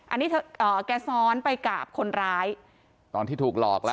อันนี้เธอเอ่อแกซ้อนไปกับคนร้ายตอนที่ถูกหลอกแล้ว